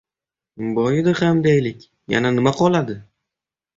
— Boyidi ham deylik, yana nima qoladi?